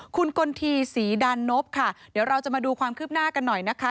คุณกลทีศรีดานนพค่ะเดี๋ยวเราจะมาดูความคืบหน้ากันหน่อยนะคะ